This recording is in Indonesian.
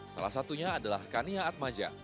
salah satunya adalah kania atmaja